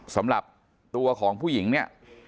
สำหรับตัวของผู้หญิงเนี่ย